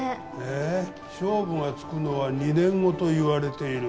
「勝負がつくのは２年後といわれている」